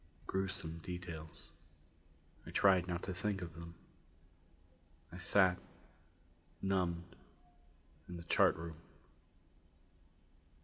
Gruesome details. I tried not to think of them. I sat, numbed, in the chart room.